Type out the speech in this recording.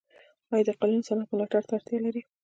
آیا د قالینو صنعت ملاتړ ته اړتیا لري؟